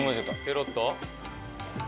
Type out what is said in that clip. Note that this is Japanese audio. ペロッと。